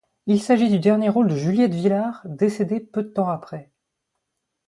Il s'agit du dernier rôle de Juliette Villard, décédée peu de temps après.